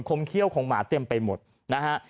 คมเข้าคงมาเต็มพี่มดนะฮะ